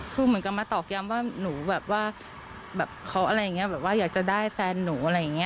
คือเหมือนกับมาตอกย้ำว่าหนูแบบว่าแบบเขาอะไรอย่างนี้แบบว่าอยากจะได้แฟนหนูอะไรอย่างนี้